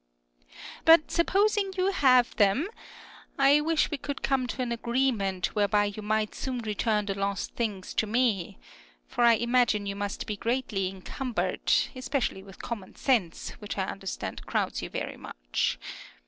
But supposing you have them, I wish we could come to an agreement whereby you might soon return the lost things to me ; for I imagine you must be greatly encumbered, especially with common sense, which I understand crowds you very much.